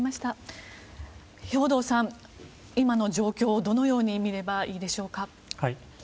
兵頭さん、今の状況をどのように見ればよろしいでしょうか？